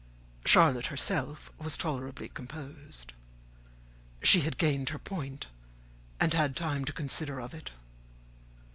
Charlotte herself was tolerably composed. She had gained her point, and had time to consider of it.